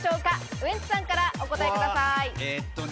ウエンツさんからお答えください。